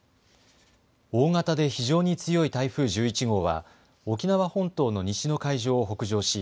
大型で非常に強い台風１１号は沖縄本島の西の海上を北上し